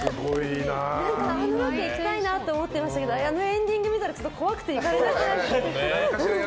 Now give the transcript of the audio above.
あのロケ行きたいなって思ってましたけどあのエンディング見たら怖くて行けなくなっちゃった。